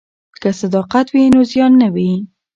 که صداقت وي نو زیان نه وي.